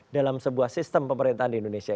dalam sebuah sistem pemerintahan di indonesia